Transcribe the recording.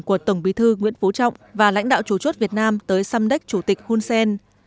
của tổng bí thư nguyễn phú trọng và lãnh đạo chủ chốt việt nam tới samdek chủ tịch hunsen